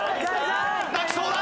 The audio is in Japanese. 泣きそうだ！